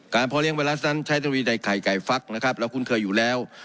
พ่อเลี้ยไวรัสนั้นใช้ทวีใดไข่ไก่ฟักนะครับเราคุ้นเคยอยู่แล้ว